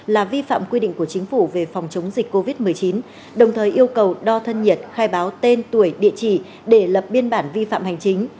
là vi phạm quy định của chính phủ về phòng chống dịch covid một mươi chín đồng thời yêu cầu đo thân nhiệt khai báo tên tuổi địa chỉ để lập biên bản vi phạm hành chính